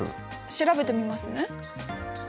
調べてみますね。